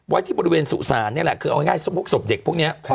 ไว้ที่บริเวณสู่ศาลเนี่ยแหละคือเอาง่ายพวกสมเด็กพวกเนี้ย